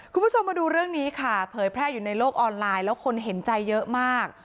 คุณผู้ชมมาดูเรื่องนี้ค่ะเผยแพร่อยู่ในโลกออนไลน์แล้วคนเห็นใจเยอะมาก